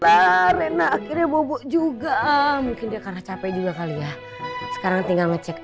karena akhirnya bobo juga mungkin dia karena capek juga kali ya sekarang tinggal ngecek